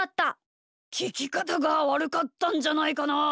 ききかたがわるかったんじゃないかな？